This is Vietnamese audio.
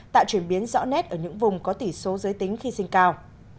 tạo chuyển biến rõ nét ở những vùng có tỷ số giới tính khi sinh cao